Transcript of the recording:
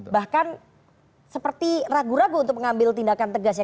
bahkan seperti ragu ragu untuk mengambil tindakan tegas ya